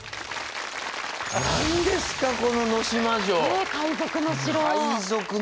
何ですかこの能島城。ねぇ海賊の城。